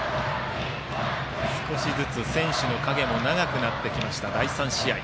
少しずつ選手の影も長くなってきた第３試合。